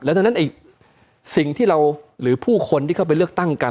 ดังนั้นสิ่งที่เราหรือผู้คนที่เข้าไปเลือกตั้งกัน